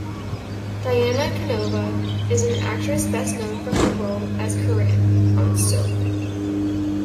Diana Canova is an actress best known for her role as Corinne on "Soap".